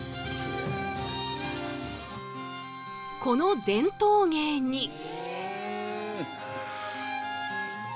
この伝統芸に。